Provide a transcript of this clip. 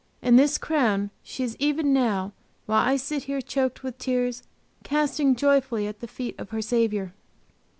And this crown she is even now, while I sit here choked with tears, casting joyfully at the feet of her Saviour!